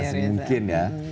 iya masih mungkin ya